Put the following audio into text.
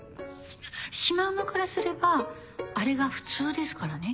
シマウマからすればあれが普通ですからね。